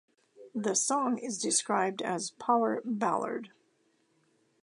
The song is described as "power ballad".